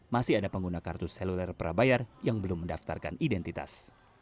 masih ada pengguna kartu seluler prabayar yang belum mendaftarkan identitas